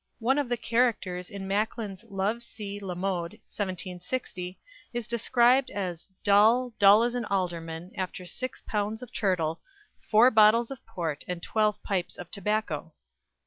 One of the characters in Macklin's "Love à la Mode," 1760, is described as "dull, dull as an alderman, after six pounds of turtle, four bottles of port, and twelve pipes of tobacco."